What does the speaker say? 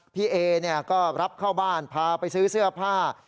พี่เอก็รับเข้าบ้านพาไปซื้อเสื้อผ้า